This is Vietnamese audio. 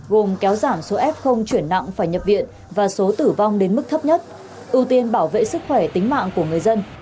gồm kéo giảm số f chuyển nặng phải nhập viện và số tử vong đến mức thấp nhất ưu tiên bảo vệ sức khỏe tính mạng của người dân